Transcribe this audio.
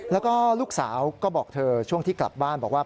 แล้วก็ลูกสาวก็บอกเธอช่วงที่กลับบ้านบอกว่า